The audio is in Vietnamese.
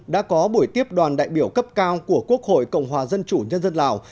đã có buổi tiếp đoàn đại biểu cấp cao của quốc hội cộng hòa dân chủ nhân dân lào